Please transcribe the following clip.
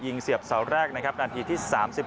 เฮ่ยยิงเสียบเสาแรกนะครับดังที่ที่๓๓